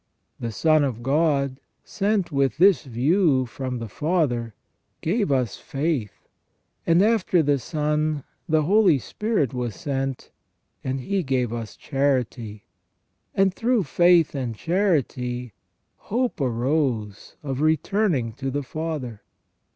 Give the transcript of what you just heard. The son of God, sent with this view from the Father, gave us faith ; and after the Son, the Holy Spirit was sent, and He gave us charity; and WHY MAN IS MADE TO THE IMAGE OF GOD. 41 through faith and charity hope arose of returning to the Father.